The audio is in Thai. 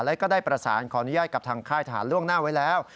และก็ได้ประสานขออนุญาตกับทางค่ายทหารล่วงหน้าไว้แล้ว